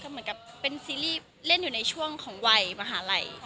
เหมือนกับเป็นซีรีส์เล่นอยู่ในช่วงของวัยมหาลัย